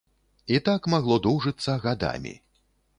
І так магло доўжыцца гадамі.